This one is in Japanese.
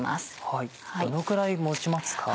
はいどのくらい持ちますか？